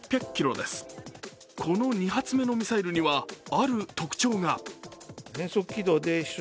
この２発目のミサイルにはある特徴が。